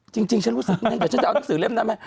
จริงฉันรู้สึกอยากจะเอาหนังสือเล่มได้ไหม